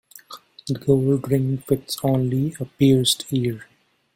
The gold ring fits only a pierced ear.